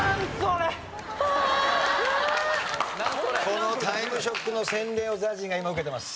この『タイムショック』の洗礼をＺＡＺＹが今受けてます。